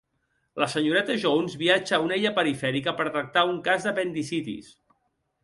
La senyoreta Jones viatja a una illa perifèrica per tractar un cas d'apendicitis.